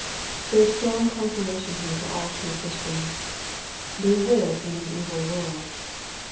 There is strong consolation here for all true Chris tians. They live in an evil world.